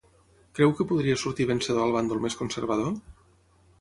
Creu que podria sortir vencedor el bàndol més conservador?